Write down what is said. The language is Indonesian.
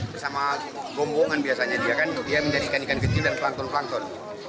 bersama gomongan biasanya dia kan menjadikan ikan kecil dan pelangton pelangton